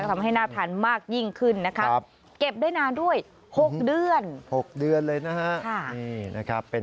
ทำให้น่าทานมากยิ่งขึ้นนะครับเก็บได้นานด้วย๖เดือน๖เดือนเลยนะฮะ